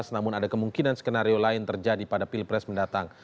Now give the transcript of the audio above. namun ada kemungkinan skenario lain terjadi pada pilpres mendatang